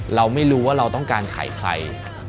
เราไม่รู้ว่าเราต้องการขายใคร